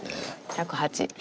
１０８。